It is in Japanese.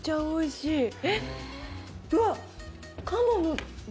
おいしい！